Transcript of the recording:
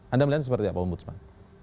anda melihatnya seperti apa mbu butsman